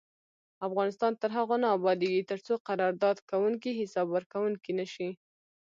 افغانستان تر هغو نه ابادیږي، ترڅو قرارداد کوونکي حساب ورکوونکي نشي.